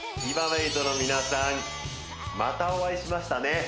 美バメイトの皆さんまたお会いしましたね